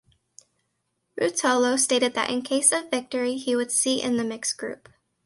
Ruotolo stated that in case of victory he would seat in the Mixed Group.